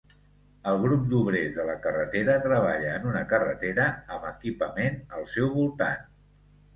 El grup d'obrers de la carretera treballa en una carretera amb equipament al seu voltant.